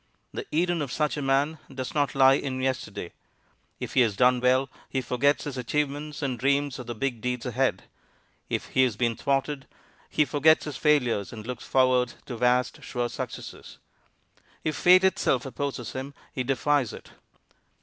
The Eden of such a man does not lie in yesterday. If he has done well, he forgets his achievements and dreams of the big deeds ahead. If he has been thwarted, he forgets his failures and looks forward to vast, sure successes. If fate itself opposes him, he defies it.